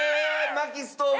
薪ストーブ！